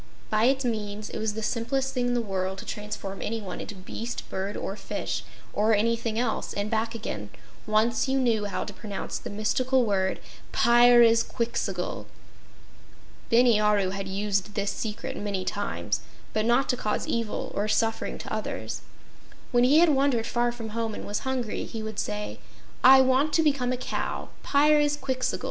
By its means, it was the simplest thing in the world to transform anyone into beast, bird or fish, or anything else, and back again, once you know how to pronounce the mystical word: "Pyrzqxgl." Bini Aru had used this secret many times, but not to cause evil or suffering to others. When he had wandered far from home and was hungry, he would say: "I want to become a cow Pyrzqxgl!"